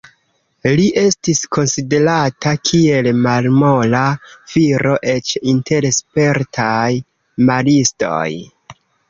Li estis konsiderata kiel malmola viro eĉ inter spertaj maristoj.